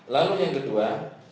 lalu yang kedua